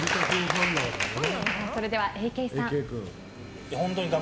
それではＡ．Ｋさん。